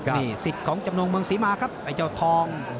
นี่สิทธิ์ของจำนงเมืองศรีมาครับไอ้เจ้าทอง